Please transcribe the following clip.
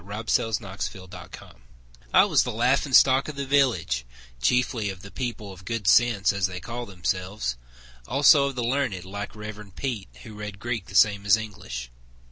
Tennessee Claflin Shope I was the laughing stock of the village, Chiefly of the people of good sense, as they call themselves— Also of the learned, like Rev. Peet, who read Greek The same as English.